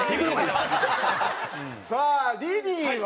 さあリリーは？